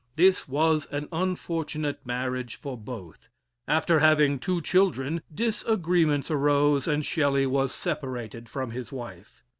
This was an unfortunate marriage for both. After having two children, disagreements arose, and Shelley was separated from his wife.